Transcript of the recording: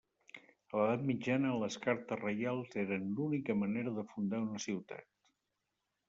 A l'edat mitjana les cartes reials eren l'única manera de fundar una ciutat.